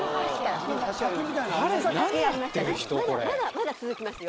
まだ続きますよ